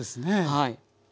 はい。